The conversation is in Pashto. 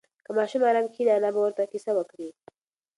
که ماشوم ارام کښېني، انا به ورته قصه وکړي.